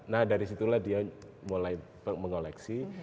nah dari situlah dia mulai mengoleksi